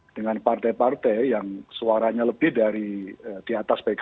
dengan partai partai yang suaranya lebih dari di atas pkb